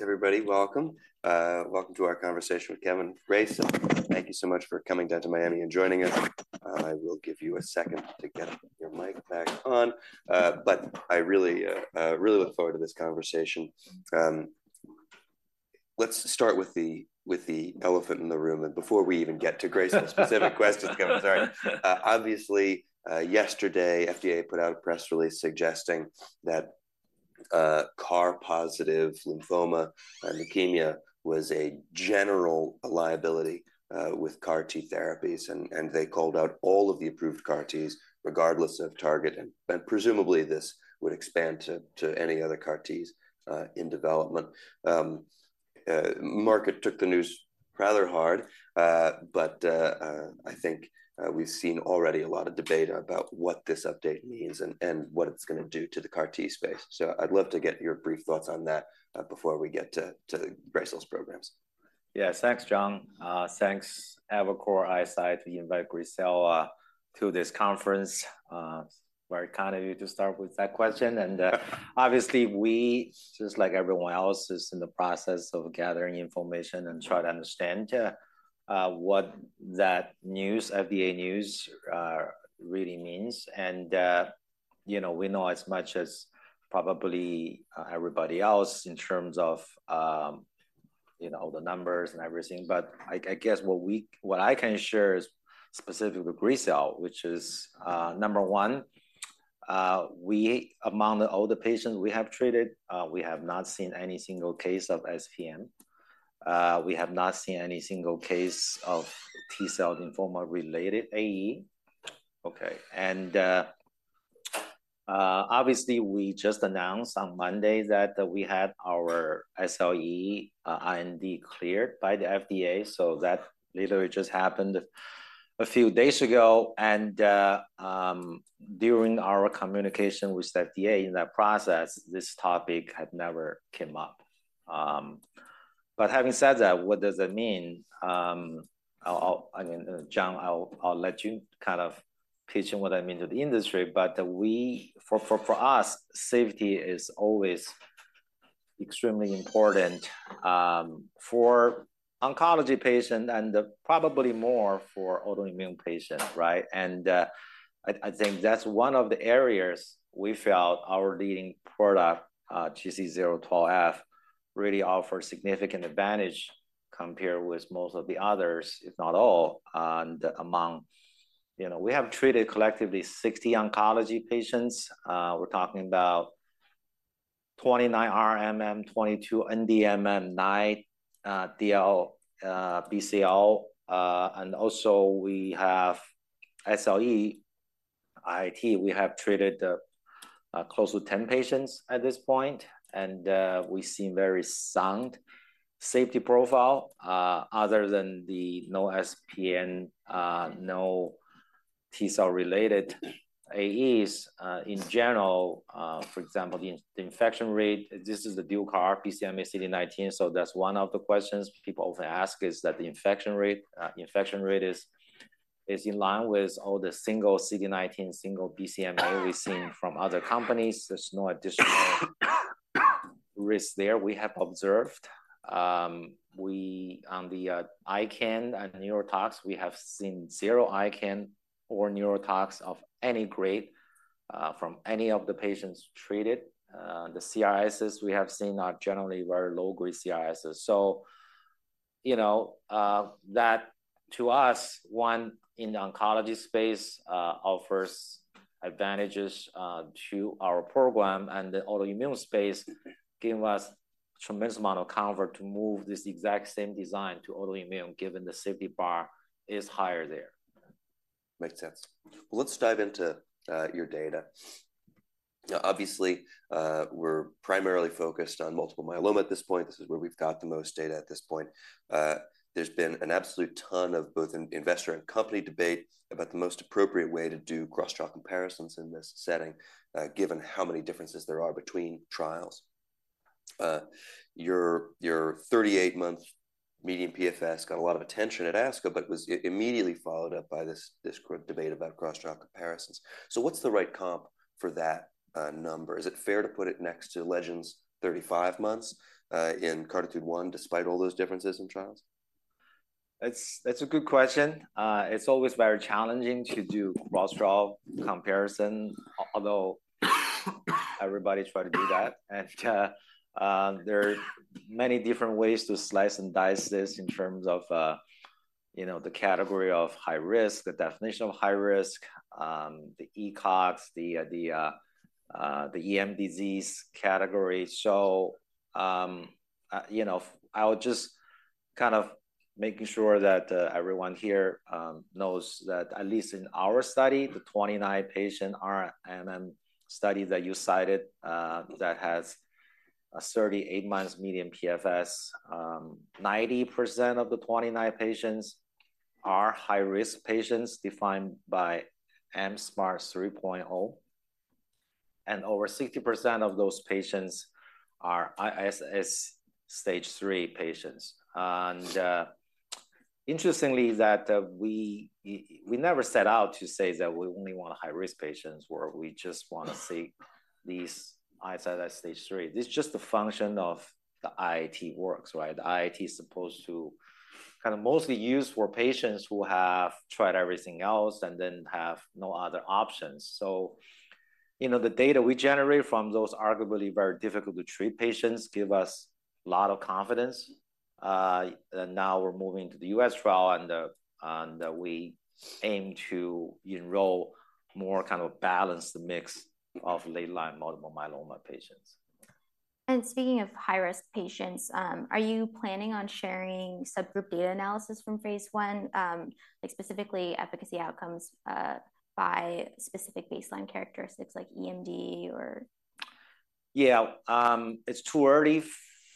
Well, thanks, everybody. Welcome. Welcome to our conversation with Kevin Grayson. Thank you so much for coming down to Miami and joining us. I will give you a second to get your mic back on, but I really, really look forward to this conversation. Let's start with the elephant in the room, and before we even get to Gracell-specific questions, Kevin, sorry. Obviously, yesterday, FDA put out a press release suggesting that CAR-positive lymphoma and leukemia was a general liability with CAR T therapies, and they called out all of the approved CAR Ts, regardless of target, and presumably this would expand to any other CAR Ts in development. Market took the news rather hard, but I think we've seen already a lot of debate about what this update means and what it's gonna do to the CAR-T space. So I'd love to get your brief thoughts on that before we get to Gracell's programs. Yeah. Thanks, John. Thanks, Evercore ISI, to invite Gracell to this conference. Very kind of you to start with that question. Obviously, we, just like everyone else, is in the process of gathering information and try to understand what that news, FDA news, really means. You know, we know as much as probably everybody else in terms of, you know, the numbers and everything, but I, I guess what we-- what I can share is specific with Gracell, which is, number one, we... Among all the patients we have treated, we have not seen any single case of SPM. We have not seen any single case of T-cell lymphoma-related AE. Okay, and obviously, we just announced on Monday that we had our SLE IND cleared by the FDA, so that literally just happened a few days ago, and during our communication with the FDA in that process, this topic had never came up. But having said that, what does it mean? I'll... I mean, John, I'll let you kind of pitch in what that mean to the industry, but we, for us, safety is always extremely important for oncology patient and probably more for autoimmune patients, right? And I think that's one of the areas we felt our leading product GC012F really offered significant advantage compared with most of the others, if not all, and among... You know, we have treated collectively 60 oncology patients. We're talking about 29 RRMM, 22 NDMM, 9 DLBCL, and also we have SLE IIT. We have treated close to 10 patients at this point, and we've seen very sound safety profile, other than the no SPM, no T-cell-related AEs. In general, for example, the infection rate, this is a dual CAR BCMA CD19, so that's one of the questions people often ask, is that the infection rate. Infection rate is in line with all the single CD19, single BCMA we've seen from other companies. There's no additional risk there we have observed. We, on the ICANS and neurotox, we have seen zero ICANS or neurotox of any grade from any of the patients treated. The CRSs we have seen are generally very low-grade CRSs. You know, that to us one in the oncology space offers advantages to our program, and the autoimmune space gave us tremendous amount of comfort to move this exact same design to autoimmune, given the safety bar is higher there. Makes sense. Let's dive into your data. You know, obviously, we're primarily focused on multiple myeloma at this point. This is where we've got the most data at this point. There's been an absolute ton of both investor and company debate about the most appropriate way to do cross-trial comparisons in this setting, given how many differences there are between trials. Your 38-month median PFS got a lot of attention at ASCO, but it was immediately followed up by this group debate about cross-trial comparisons. So what's the right comp for that number? Is it fair to put it next to Legend's 35 months in CARTITUDE-1, despite all those differences in trials? That's a good question. It's always very challenging to do cross-trial comparison, although everybody try to do that. And there are many different ways to slice and dice this in terms of, you know, the category of high-risk, the definition of high risk, the ECOGs, the EMD category. So, you know, I would just kind of make sure that everyone here knows that at least in our study, the 29-patient RMM study that you cited, that has a 38-month median PFS, 90% of the 29 patients are high-risk patients, defined by mSMART 3.0, and over 60% of those patients are ISS stage three patients. And... Interestingly, is that we never set out to say that we only want high-risk patients, or we just want to see these ISS stage three. This is just a function of the IIT works, right? The IIT is supposed to kind of mostly use for patients who have tried everything else and then have no other options. So, you know, the data we generate from those arguably very difficult to treat patients give us a lot of confidence. And now we're moving to the U.S. trial, and we aim to enroll more kind of balanced mix of late-line multiple myeloma patients. And speaking of high-risk patients, are you planning on sharing subgroup data analysis from phase 1? Like specifically efficacy outcomes, by specific baseline characteristics like EMD or- Yeah. It's too early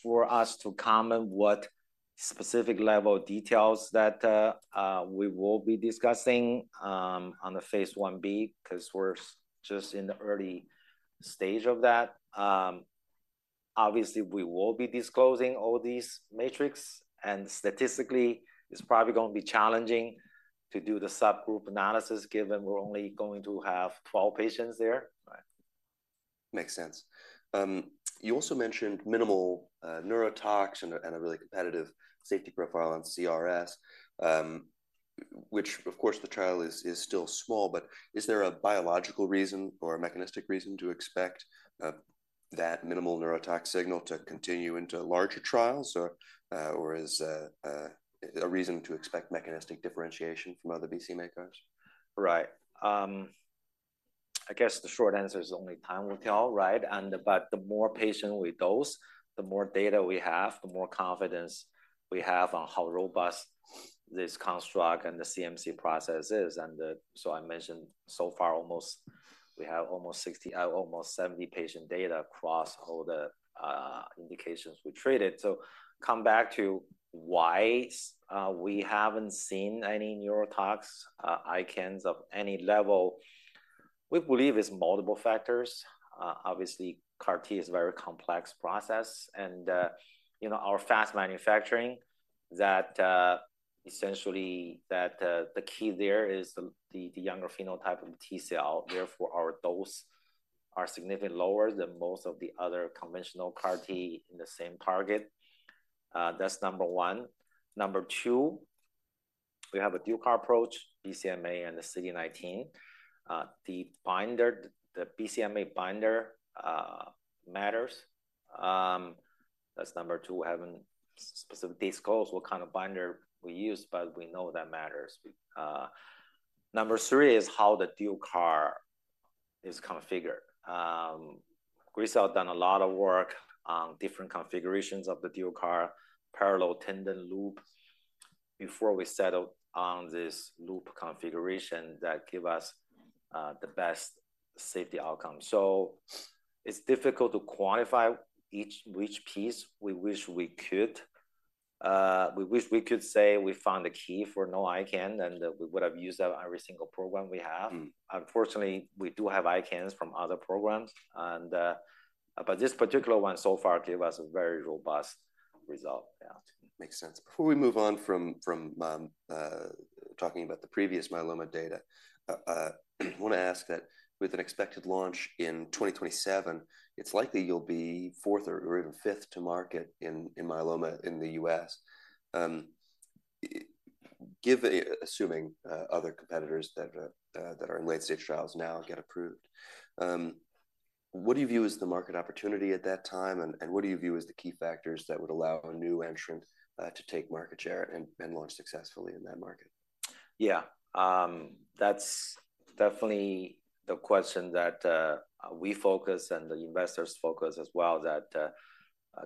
for us to comment what specific level of details that we will be discussing on the Phase 1b, 'cause we're just in the early stage of that. Obviously, we will be disclosing all these metrics, and statistically, it's probably gonna be challenging to do the subgroup analysis, given we're only going to have 12 patients there, right? Makes sense. You also mentioned minimal neurotox and a really competitive safety profile on CRS, which of course, the trial is still small, but is there a biological reason or a mechanistic reason to expect that minimal neurotox signal to continue into larger trials? Or is a reason to expect mechanistic differentiation from other BCMA makers? Right. I guess the short answer is only time will tell, right? But the more patient we dose, the more data we have, the more confidence we have on how robust this construct and the CMC process is. So I mentioned so far, almost—we have almost 60, almost 70 patient data across all the indications we treated. So come back to why we haven't seen any neurotox, ICANS of any level, we believe it's multiple factors. Obviously, CAR-T is a very complex process, and you know, our fast manufacturing, essentially, the key there is the younger phenotype of the T cell. Therefore, our dose are significantly lower than most of the other conventional CAR-T in the same target. That's number one. Number two, we have a dual CAR approach, BCMA and the CD19. The binder, the BCMA binder, matters. That's number two. We haven't specifically disclosed what kind of binder we use, but we know that matters. Number three is how the dual CAR is configured. Gracell done a lot of work on different configurations of the dual CAR, parallel tandem loop, before we settled on this loop configuration that give us, the best safety outcome. So it's difficult to quantify each, which piece we wish we could. We wish we could say we found a key for no ICANS, and we would have used that on every single program we have. Mm. Unfortunately, we do have ICANS from other programs, and... But this particular one so far gave us a very robust result. Yeah. Makes sense. Before we move on from talking about the previous myeloma data, I want to ask that with an expected launch in 2027, it's likely you'll be fourth or even fifth to market in myeloma in the U.S. Assuming other competitors that are in late-stage trials now get approved, what do you view as the market opportunity at that time, and what do you view as the key factors that would allow a new entrant to take market share and launch successfully in that market? Yeah. That's definitely the question that we focus and the investors focus as well, that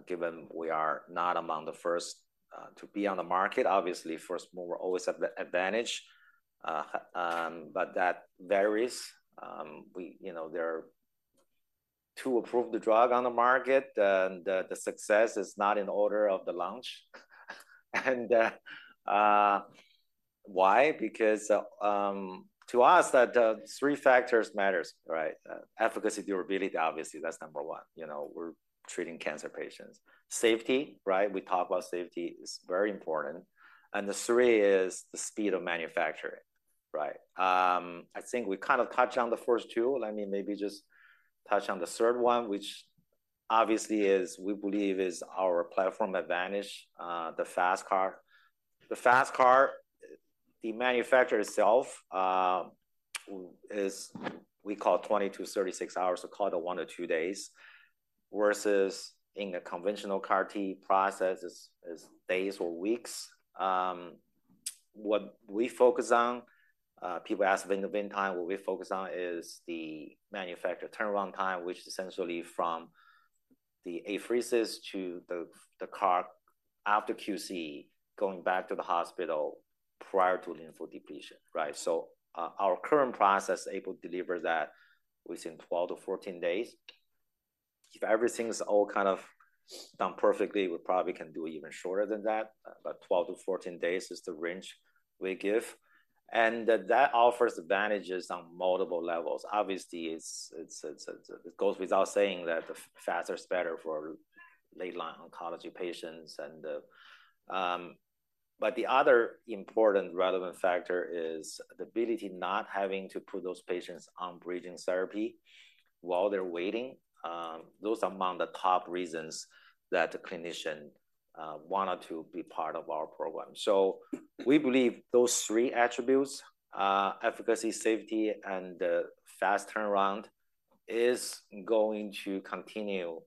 given we are not among the first to be on the market, obviously, first mover always have the advantage, but that varies. We-- you know, there are two approved the drug on the market, and the, the success is not in order of the launch. And why? Because to us, that the three factors matters, right? Efficacy, durability, obviously, that's number one. You know, we're treating cancer patients. Safety, right? We talk about safety, is very important. And the three is the speed of manufacturing, right? I think we kind of touched on the first two. Let me maybe just touch on the third one, which obviously is, we believe is our platform advantage, the FasTCAR. The FasTCAR, the manufacturer itself, is we call it 20-36 hours, so call it 1-2 days, versus in a conventional CAR-T process is days or weeks. What we focus on, people ask vein-to-vein time, what we focus on is the manufacturer turnaround time, which is essentially from the apheresis to the FasTCAR after QC, going back to the hospital prior to lymphodepletion, right? So, our current process is able to deliver that within 12-14 days. If everything's all kind of done perfectly, we probably can do even shorter than that, but 12-14 days is the range we give, and that offers advantages on multiple levels. Obviously, it's, it goes without saying that the faster is better for late-line oncology patients. But the other important relevant factor is the ability not having to put those patients on bridging therapy while they're waiting. Those are among the top reasons that the clinician wanted to be part of our program. So we believe those three attributes, efficacy, safety, and fast turnaround, is going to continue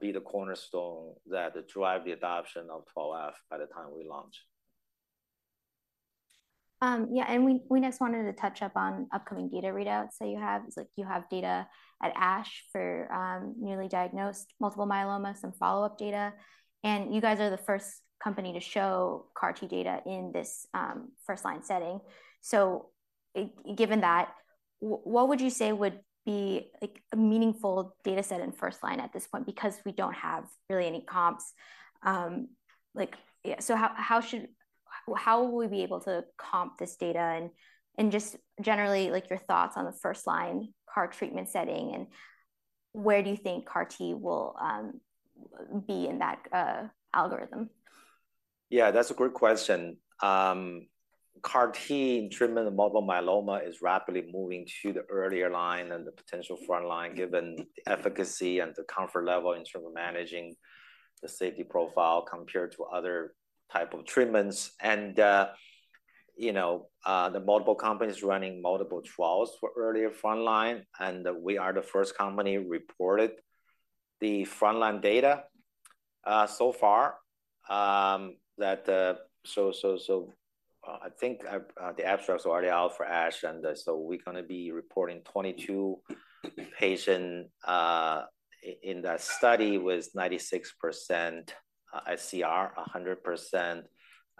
be the cornerstone that drive the adoption of 12F by the time we launch. Yeah, and we next wanted to touch up on upcoming data readouts that you have. It's like you have data at ASH for newly diagnosed multiple myeloma, some follow-up data, and you guys are the first company to show CAR-T data in this first-line setting. So given that, what would you say would be, like, a meaningful data set in first line at this point? Because we don't have really any comps. Like, yeah, so how should—how will we be able to comp this data? And just generally, like, your thoughts on the first line CAR treatment setting, and where do you think CAR-T will be in that algorithm? Yeah, that's a great question. CAR-T treatment of multiple myeloma is rapidly moving to the earlier line and the potential front line, given the efficacy and the comfort level in terms of managing the safety profile compared to other type of treatments. And, you know, the multiple companies running multiple trials for earlier front line, and we are the first company reported the front-line data, so far. So I think the abstracts are already out for ASH, and so we're gonna be reporting 22 patient in that study with 96% SCR, 100%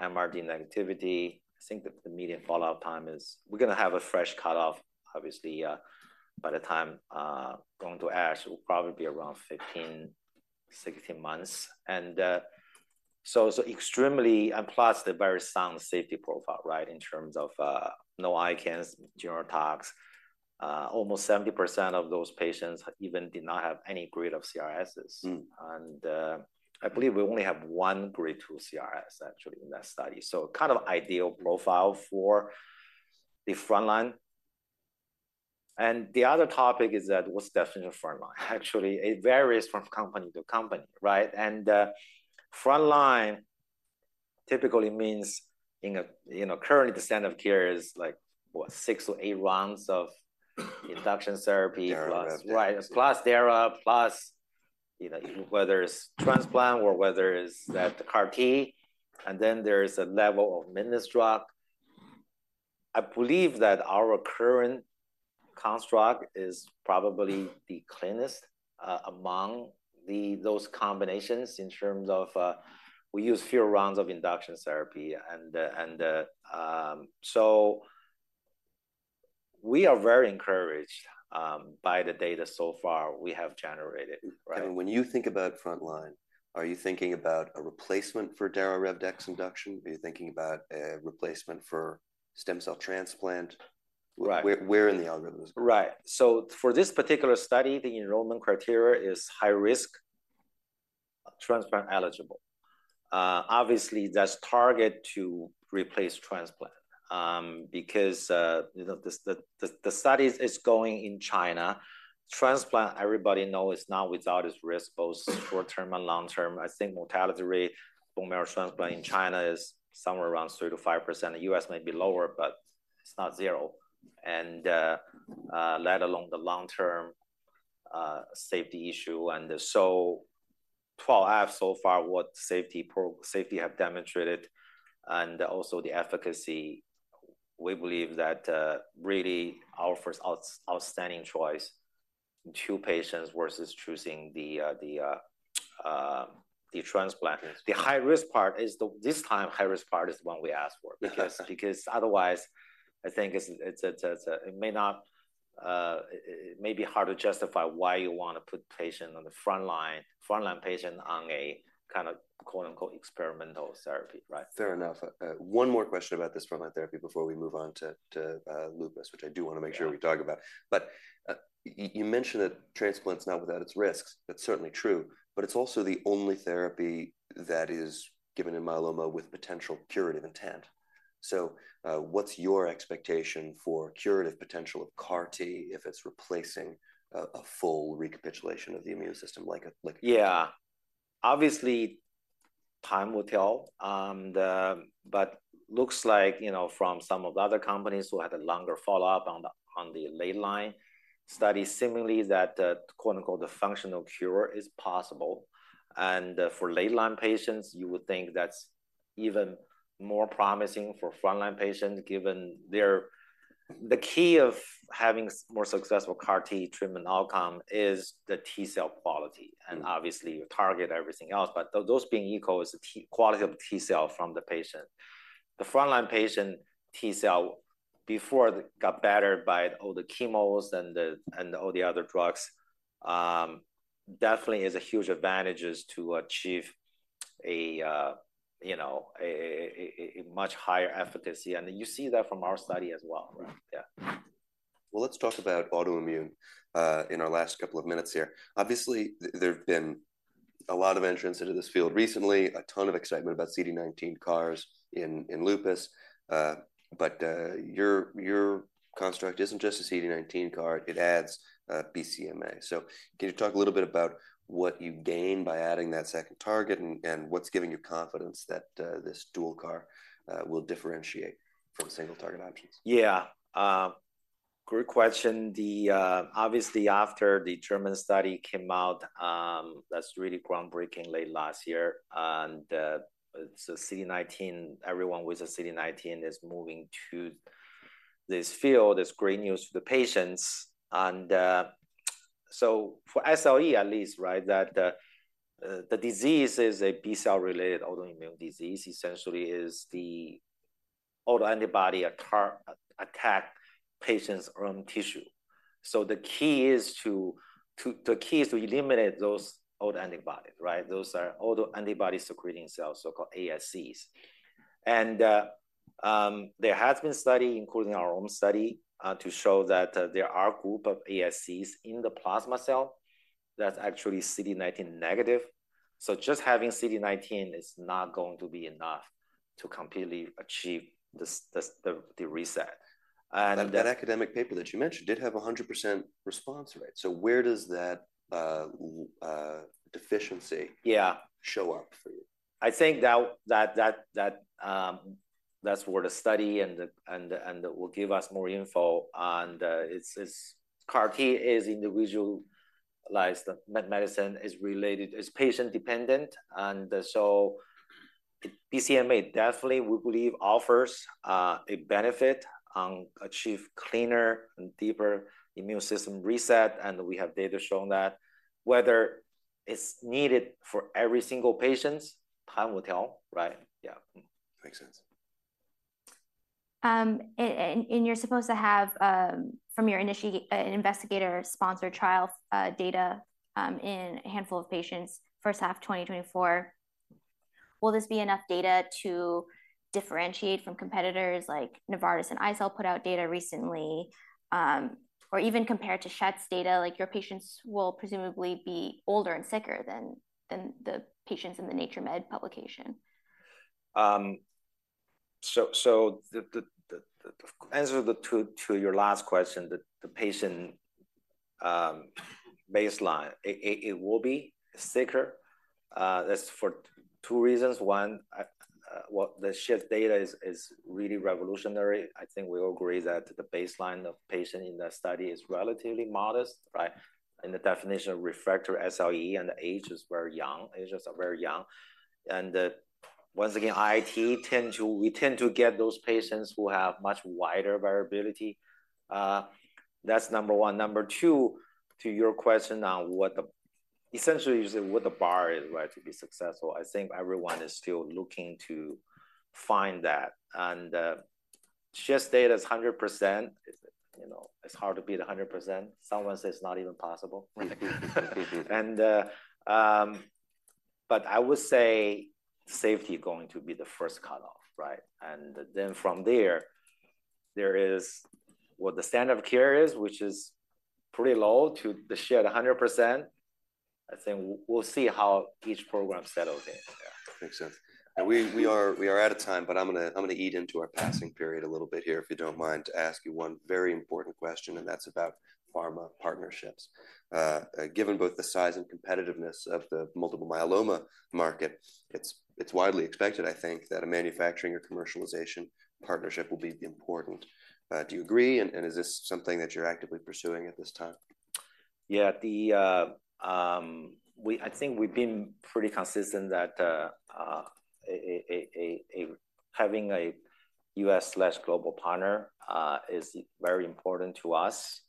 MRD negativity. I think the median follow-up time is... We're gonna have a fresh cutoff, obviously, by the time, going to ASH, it will probably be around 15-16 months. So, so extremely and plus the very sound safety profile, right? In terms of no ICANS, Neurotox. Almost 70% of those patients even did not have any grade of CRSs. Mm. And, I believe we only have one grade two CRS, actually, in that study, so kind of ideal profile for the front line. And the other topic is that what's definitely front line? Actually, it varies from company to company, right? And, front line typically means in a, you know, currently the standard of care is, like, what? 6 or 8 rounds of induction therapy- Dara- Plus, right, plus Dara, plus, you know, whether it's transplant or whether it's that CAR-T, and then there is a level of maintenance drug. I believe that our current construct is probably the cleanest, among those combinations in terms of, we use fewer rounds of induction therapy. And, so we are very encouraged, by the data so far we have generated, right? I mean, when you think about front line, are you thinking about a replacement for Dara-Rev-Dex induction? Are you thinking about a replacement for stem cell transplant? Right. Where in the algorithm is this? Right. So for this particular study, the enrollment criteria is high risk, transplant eligible. Obviously, that's target to replace transplant, because, you know, the study is going in China. Transplant, everybody know, is not without its risk, both short-term and long-term. I think mortality rate for marrow transplant in China is somewhere around 3%-5%. The US might be lower, but it's not zero, and, let alone the long-term, safety issue. And so, GC012F so far, what safety profile has demonstrated and also the efficacy, we believe that, really offers outstanding choice to patients versus choosing the transplant. Yes. This time, the high-risk part is the one we asked for. Yeah... because otherwise, I think it's, it may be hard to justify why you want to put patient on the front line, front-line patient on a kind of quote-unquote experimental therapy, right? Fair enough. One more question about this front-line therapy before we move on to lupus, which I do wanna make sure we talk about. Yeah. But, you mentioned that transplant's not without its risks. That's certainly true, but it's also the only therapy that is given in myeloma with potential curative intent. So, what's your expectation for curative potential of CAR-T if it's replacing a full recapitulation of the immune system, like a Yeah. Obviously, time will tell. But looks like, you know, from some of the other companies who had a longer follow-up on the late line studies, seemingly that the quote-unquote "the functional cure" is possible. And for late line patients, you would think that's even more promising for front-line patients, given their... The key of having more successful CAR-T treatment outcome is the T-cell quality. Mm. And obviously, you target everything else, but those being equal is the quality of T-cell from the patient. The front-line patient T-cell, before it got battered by all the chemos and all the other drugs, definitely is a huge advantage to achieve a you know, much higher efficacy, and you see that from our study as well, right? Yeah. Well, let's talk about autoimmune in our last couple of minutes here. Obviously, there've been a lot of entrants into this field recently, a ton of excitement about CD19 CARs in lupus. But your construct isn't just a CD19 CAR, it adds BCMA. So can you talk a little bit about what you gain by adding that second target, and what's giving you confidence that this dual CAR will differentiate from single target options? Yeah, great question. The, obviously, after the German study came out, that's really groundbreaking, late last year, and, so CD19, everyone with a CD19 is moving to this field. It's great news for the patients. And, so for SLE at least, right? That the, the disease is a B cell-related autoimmune disease, essentially is the autoantibody attack patient's own tissue. So the key is to eliminate those autoantibodies, right? Those are autoantibody-secreting cells, so-called ASCs. And, there has been study, including our own study, to show that, there are a group of ASCs in the plasma cell that's actually CD19 negative. So just having CD19 is not going to be enough to completely achieve the reset. And- That academic paper that you mentioned did have a 100% response rate. So where does that deficiency- Yeah... show up for you? I think that's where the study and will give us more info on the... it's CAR T is individualized. The medicine is related, is patient dependent, and so BCMA definitely, we believe, offers a benefit on achieve cleaner and deeper immune system reset, and we have data showing that. Whether it's needed for every single patients, time will tell, right? Yeah. Mm. Makes sense. You're supposed to have from your investigator-sponsored trial data in a handful of patients, first half of 2024. Will this be enough data to differentiate from competitors like Novartis and iCell put out data recently, or even compared to Schett's data, like, your patients will presumably be older and sicker than the patients in the Nature Med publication? So the answer to your last question, the patient baseline, it will be sicker. That's for two reasons. One, well, the Schett data is really revolutionary. I think we all agree that the baseline of patient in the study is relatively modest, right? And the definition of refractory SLE, and the age is very young, ages are very young. And once again, IIT tend to, we tend to get those patients who have much wider variability. That's number one. Number two, to your question on what the essentially you said, what the bar is, right, to be successful. I think everyone is still looking to find that. And Schett data is 100%, you know, it's hard to beat a 100%. Someone says it's not even possible. But I would say safety is going to be the first cut-off, right? And then from there, there is what the standard of care is, which is pretty low, to the shared 100%. I think we'll see how each program settles in. Yeah. Makes sense. We are out of time, but I'm gonna eat into our passing period a little bit here, if you don't mind, to ask you one very important question, and that's about pharma partnerships. Given both the size and competitiveness of the multiple myeloma market, it's widely expected, I think, that a manufacturing or commercialization partnership will be important. Do you agree, and is this something that you're actively pursuing at this time? Yeah, I think we've been pretty consistent that having a U.S./global partner is very important to us.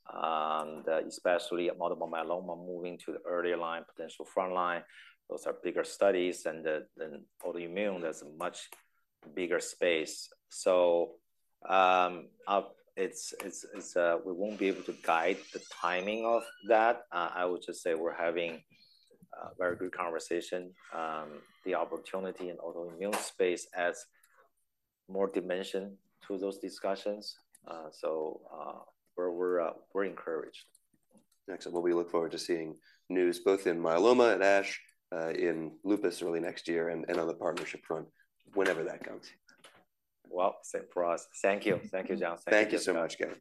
Especially at multiple myeloma, moving to the earlier line, potential front line, those are bigger studies, and the autoimmune, that's a much bigger space. So, we won't be able to guide the timing of that. I would just say we're having very good conversation. The opportunity in the autoimmune space adds more dimension to those discussions. So, we're encouraged. Excellent. Well, we look forward to seeing news both in myeloma and ASH, in lupus early next year, and on the partnership front, whenever that comes. Well, same for us. Thank you. Thank you, John. Thank you so much, Kevin.